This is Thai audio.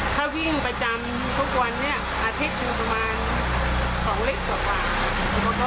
ถ้าวิ่งประจำทุกวันอาเทศอยู่ประมาณสองเล็กกว่า